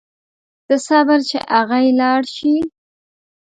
ته صبر چې اغئ لاړ شي.